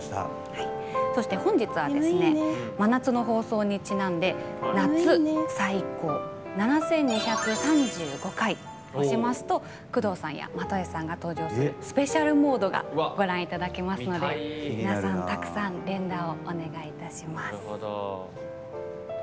そして、本日は真夏の放送にちなんで７２３５回押しますと宮藤さんや又吉さんが登場するスペシャルモードがご覧いただけますので皆さん、たくさん連打お願いします。